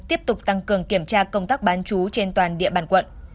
tiếp tục tăng cường kiểm tra công tác bán chú trên toàn địa bàn quận